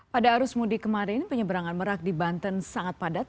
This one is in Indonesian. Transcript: pada arus mudik kemarin penyeberangan merak di banten sangat padat